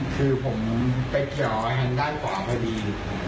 คือผมไปเกี่ยวไว้ทางด้านขวาพอดี